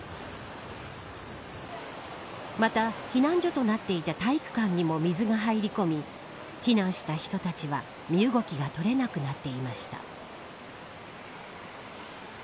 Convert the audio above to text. また、避難所となっていた体育館にも水が入り込み避難した人たちは身動きが取れなくなっていました。